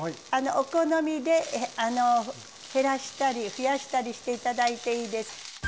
お好みで減らしたり増やしたりして頂いていいです。